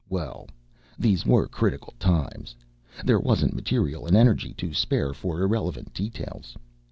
Well, these were critical times. There wasn't material and energy to spare for irrelevant details.